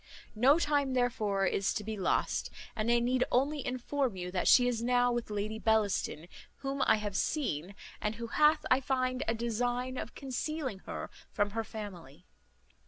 No time therefore is to be lost; and I need only inform you, that she is now with Lady Bellaston, whom I have seen, and who hath, I find, a design of concealing her from her family.